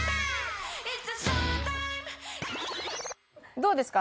どうですか？